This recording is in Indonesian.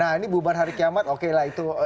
nah ini bubar hari kiamat oke lah itu